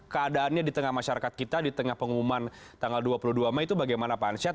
keadaannya di tengah masyarakat kita di tengah pengumuman tanggal dua puluh dua mei itu bagaimana pak ansyad